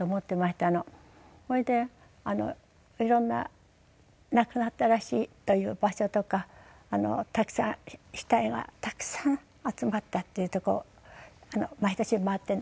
それでいろんな亡くなったらしいという場所とかたくさん死体がたくさん集まったっていうとこ毎年回ってる。